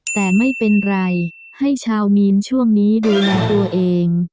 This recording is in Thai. แต่ไม่เป็นไรให้ชาวมีนช่วงนี้ดูแลตัวเอง